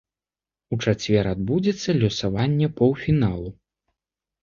У чацвер адбудзецца лёсаванне паўфіналу.